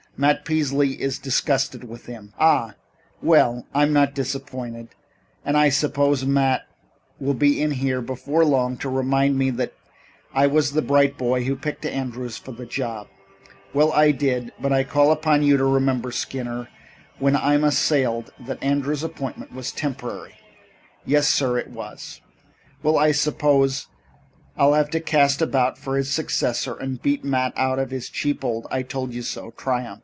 Matt Peasley is disgusted with him." "Ah! Well, I'm not disappointed. And I suppose Matt will be in here before long to remind me that I was the bright boy who picked Andrews for the job. Well, I did, but I call upon you to remember. Skinner, when I'm assailed, that Andrews' appointment was temporary." "Yes, sir, it was." "Well, I suppose I'll have to cast about for his successor and beat Matt out of his cheap 'I told you so' triumph.